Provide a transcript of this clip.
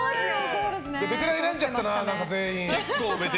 ベテランになっちゃったな全員。